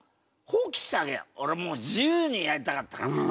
もう自由にやりたかったから。